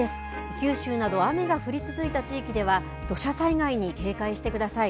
九州など雨が降り続いた地域では、土砂災害に警戒してください。